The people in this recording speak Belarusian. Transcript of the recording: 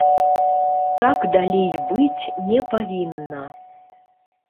Так далей быць не павінна.